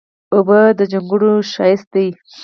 اوبه د جونګړو ښکلا ده.